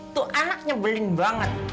tuh anak nyebelin banget